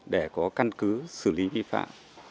để có căn cứ xử lý vi phạm